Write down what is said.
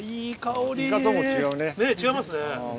違いますね。